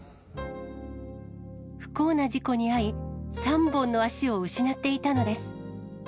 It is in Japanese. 不幸な事故に遭い、３本の足を失っていたのです。